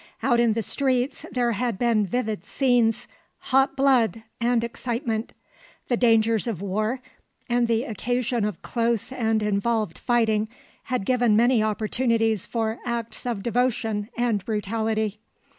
Out in the streets there had been vivid scenes, hot blood, and excitement. The dangers of war, and the occasion of close and involved fighting, had given many opportunities for acts of devotion and brutality.